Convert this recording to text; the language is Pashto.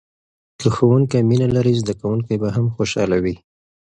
که ښوونکی مینه لري، زده کوونکی به هم خوشحاله وي.